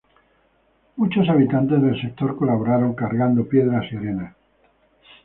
Muchos habitantes del sector colaboraron cargando piedras y arena.